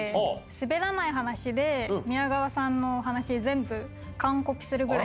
すべらない話で宮川さんのお話、全部、完コピするぐらい。